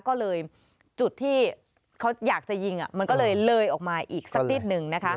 ก็เลยจุดที่เขาอยากจะยิงมันก็เลยเลยออกมาอีกสักนิดนึงนะคะ